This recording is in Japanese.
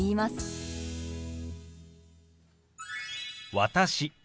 「私」